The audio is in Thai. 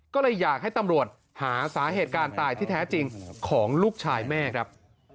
ก็เลยอยากให้ตำรวจหาสาเหตุการณ์ตายที่แท้จริงของลูกชายแม่ครับ